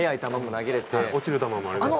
落ちる球もありますから。